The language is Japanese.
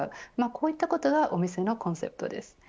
こういったことがお店のコンセプトです。